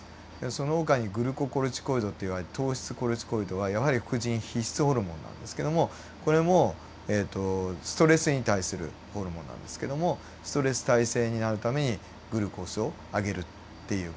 そのほかにグルココルチコイドっていわれる糖質コルチコイドはやはり副腎皮質ホルモンなんですけどもこれもストレスに対するホルモンなんですけどもストレス耐性になるためにグルコースを上げるっていう事になります。